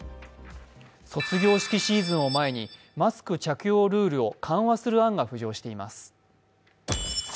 卒業式シーズンを前にマスク着用ルールを緩和する案が浮上しています。